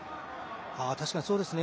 確かにそうですね。